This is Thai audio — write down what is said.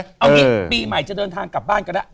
เอางี้ปีใหม่จะเดินทางกลับบ้านกันแล้ว